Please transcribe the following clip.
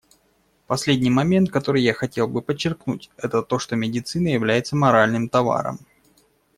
Последний момент, который я хотел бы подчеркнуть, это то, что медицина является моральным товаром.